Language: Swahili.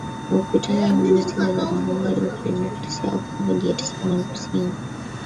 amekutana na mwenziwe wa jamhuri ya kidemokrasi ya congo drc mandu singa